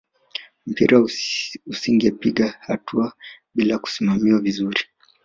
mpira usingepiga hatua bila kusimamiwa vizuri